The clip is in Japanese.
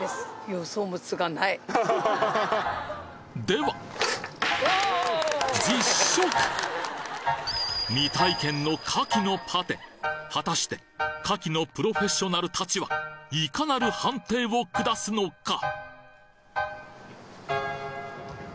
では未体験の牡蠣のパテ果たして牡蠣のプロフェッショナルたちはいかなる判定を下すのか？